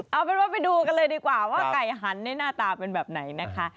เอาเป็นว่าไปดูกันเลยดีกว่าว่าไก่หันหน้าตาเป็นแบบไหนนะคะ